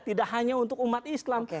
tidak hanya untuk umat islam